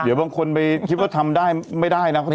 เดี๋ยวบางคนไปคิดว่าทำได้ไม่ได้นะ